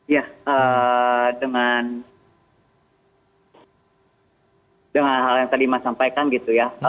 ya dengan hal yang tadi mas sampaikan gitu ya